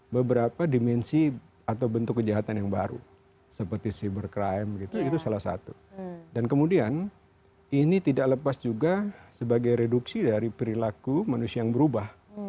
beberapa dimensi atau bentuk kejahatan yang baru seperti cyber crime itu salah satu dan kemudian ini tidak lepas juga sebagai reduksi dari perilaku manusia yang berubah